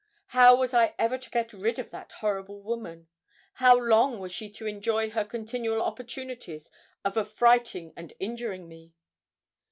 How was I ever to get rid of that horrible woman? How long was she to enjoy her continual opportunities of affrighting and injuring me?